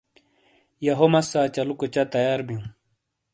یَہو مسّا چَلُوکو چہ تیار بِیوں۔